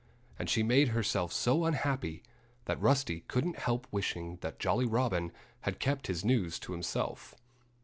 And she made herself so unhappy that Rusty couldn't help wishing that Jolly Robin had kept his news to himself.